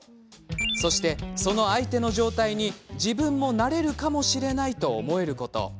そして、その相手の状態に自分もなれるかもしれないと思えること。